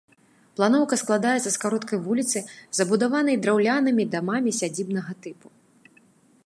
Планоўка складаецца з кароткай вуліцы, забудаванай драўлянымі дамамі сядзібнага тыпу.